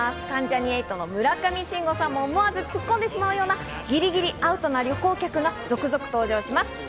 関ジャニ∞の村上信五さんも思わずツッコんでしまうようなギリギリアウトな旅行客が続々登場します。